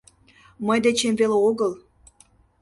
— Мый дечем веле огыл.